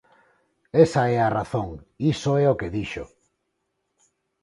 Esa é a razón, iso é o que dixo.